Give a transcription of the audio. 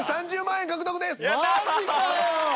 マジかよ。